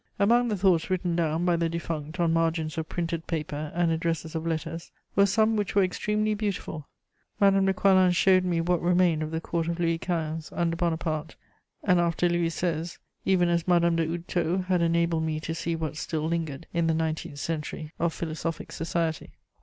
Among the thoughts written down by the defunct on margins of printed paper and addresses of letters were some which were extremely beautiful. Madame de Coislin showed me what remained of the Court of Louis XV. under Bonaparte and after Louis XVI., even as Madame de Houdetot had enabled me to see what still lingered, in the nineteenth century, of philosophic society.